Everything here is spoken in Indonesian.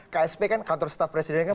ksp kan kantor staf presiden kan